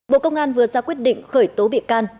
bộ công an vừa ra quyết định khởi tố bị can